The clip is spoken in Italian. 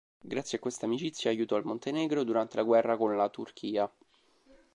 Grazie a questa amicizia, aiutò il Montenegro durante la guerra con la Turchia.